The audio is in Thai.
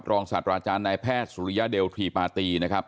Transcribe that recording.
ศาสตราจารย์นายแพทย์สุริยเดลทรีปาตีนะครับ